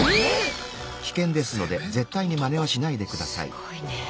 すごいね。